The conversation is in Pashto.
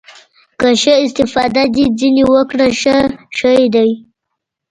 که ښه استفاده دې ځنې وکړه ښه شى ديه.